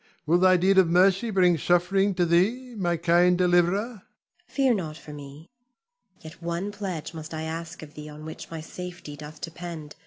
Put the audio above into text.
Will thy deed of mercy bring suffering to thee, my kind deliverer? Zuleika. Fear not for me. Yet one pledge must I ask of thee on which my safety doth depend.